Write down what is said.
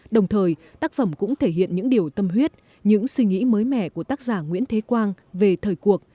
đồng thời tác phẩm cũng thể hiện những điều tâm huyết những suy nghĩ mới mẻ của tác giả nguyễn thế quang về thời cuộc